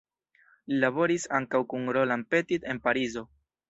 Li laboris ankaŭ kun Roland Petit en Parizo.